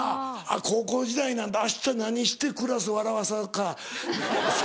高校時代なんて明日何してクラス笑わそうか。